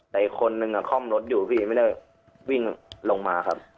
แต่อีกคนนึงคล่อมรถอยู่พี่ไม่ได้วิ่งลงมาครับ